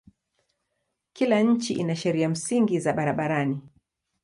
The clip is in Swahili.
Kila nchi ina sheria msingi za barabarani.